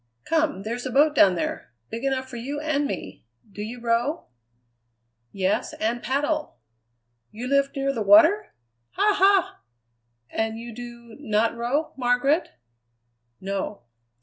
Come, there's a boat down there, big enough for you and me. Do you row?" "Yes, and paddle." "You lived near the water! Ha! ha!" "And you do not row, Margaret?" "No."